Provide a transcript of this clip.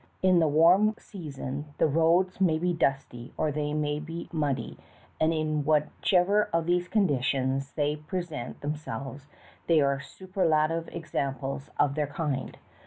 In the warm season the roads may be dusty or they may be muddy, and in whichever of these conditions they present themselves they are superlative examples of their kind.